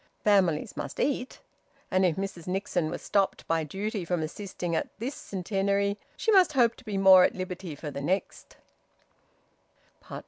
Families must eat. And if Mrs Nixon was stopped by duty from assisting at this Centenary, she must hope to be more at liberty for the next.